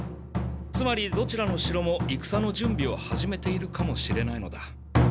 つまりどちらの城もいくさの準備を始めているかもしれないのだ。